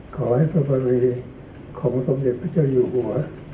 ขอให้พระบรีของสมเด็จพระเจ้าอยู่หัว